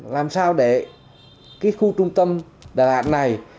làm sao để khu trung tâm đà lạt này